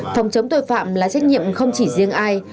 phòng chống tội phạm là trách nhiệm không chỉ riêng ai